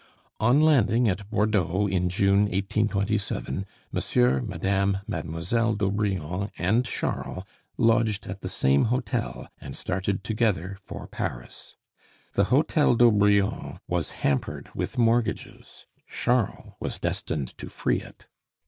On landing at Bordeaux in June, 1827, Monsieur, Madame, Mademoiselle d'Aubrion, and Charles lodged at the same hotel and started together for Paris. The hotel d'Aubrion was hampered with mortgages; Charles was destined to free it.